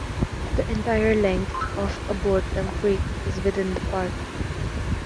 The entire length of Arboretum Creek is within the park.